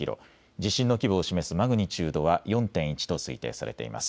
地震の規模を示すマグニチュードは４．１と推定されています。